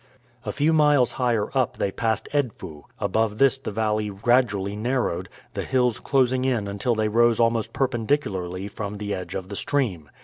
A few miles higher up they passed Edfu. Above this the valley gradually narrowed, the hills closing in until they rose almost perpendicularly from the edge of the stream.